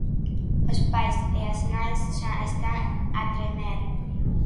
Os pais e as nais xa están a tremer...